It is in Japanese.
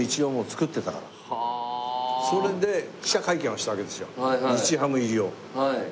それで記者会見をしたわけですよ日ハム入りを。